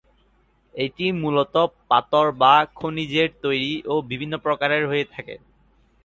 এটি মূলত পাথর বা খনিজের তৈরি ও বিভিন্ন প্রকারের হয়ে থাকে।